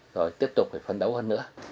rồi tiếp tục phải phấn đấu hơn nữa